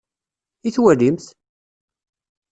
I twalimt?